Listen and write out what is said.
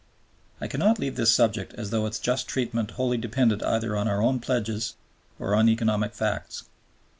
I cannot leave this subject as though its just treatment wholly depended either on our own pledges or on economic facts.